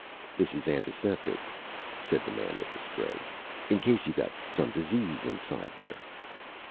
"This's antiseptic," said the man with the spray. "In case you got some disease inside there."